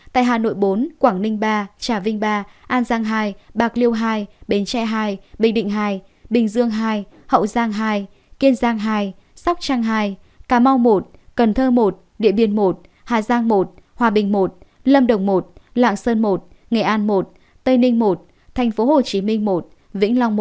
tại hà nội bốn quảng ninh ba trà vinh ba an giang hai bạc liêu hai bến tre hai bình định hai bình dương hai hậu giang hai kiên giang hai sóc trang hai cà mau một cần thơ một địa biên một hà giang một hòa bình một lâm đồng một lạng sơn một nghệ an một tây ninh một tp hcm một vĩnh long một